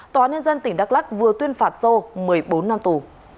tòa nhân dân tỉnh đắk lắc vừa tuyên phạt sô một mươi bốn năm tù